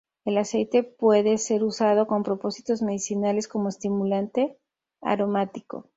El aceite puede ser usado con propósitos medicinales como estimulante, aromático.